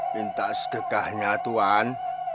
minta sedekahnya tuhan